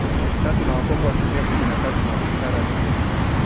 tatu na Wakongo asilimia kumi na tatu Machotara ni